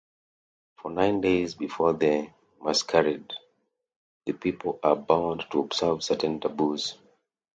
For nine days before the masquerade, the people are bound to observe certain taboos.